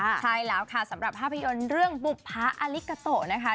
ใช่แล้วค่ะสำหรับภาพยนตร์เรื่องบุภาอลิกาโตะนะคะ